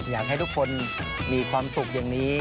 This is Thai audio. อยากให้ทุกคนมีความสุขอย่างนี้